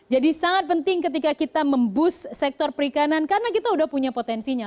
jadi sangat penting ketika kita memboost sektor perikanan karena kita sudah punya potensinya